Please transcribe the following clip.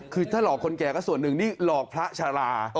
คือถ้าหลอกคนแก่ก็ส่วนหนึ่งนี่หลอกพระชารา